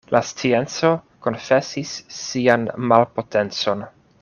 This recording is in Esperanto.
La scienco konfesis sian malpotencon.